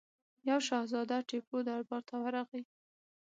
یوه شهزاده ټیپو دربار ته ورغی.